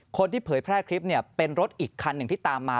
เผยแพร่คลิปเนี่ยเป็นรถอีกคันหนึ่งที่ตามมา